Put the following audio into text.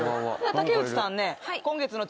竹内さんね。